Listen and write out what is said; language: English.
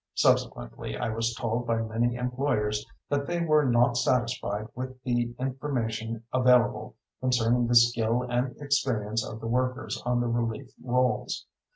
Subsequently I was told by many employers that they were not satisfied with the information available concerning the skill and experience of the workers on the relief rolls.